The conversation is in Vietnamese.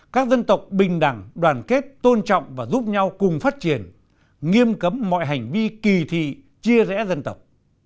các dân tộc bình đẳng đoàn kết tôn trọng và giúp nhau cùng phát triển nghiêm cấm mọi hành vi kỳ thị chia rẽ dân tộc